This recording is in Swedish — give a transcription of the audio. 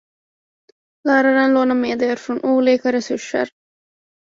Läraren lånar medier från olika resurser.